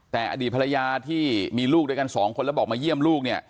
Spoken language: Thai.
แต่อดีตภรรยาที่มีลูกด้วยกันสองคนแล้วบอกมาเยี่ยมลูกเนี่ย